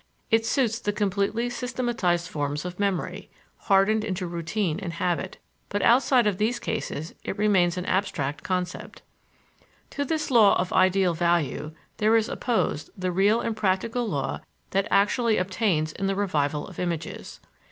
It suits the completely systematized forms of memory, hardened into routine and habit; but, outside of these cases, it remains an abstract concept. To this law of ideal value, there is opposed the real and practical law that actually obtains in the revival of images.